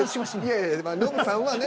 いやいやノブさんはね。